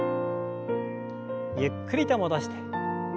ゆっくりと戻して。